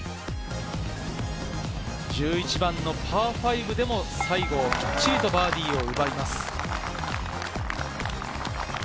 １１番のパー５でも西郷、きっちりとバーディーを奪います。